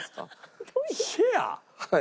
はい。